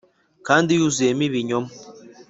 kandi yuzuyemo ibinyonga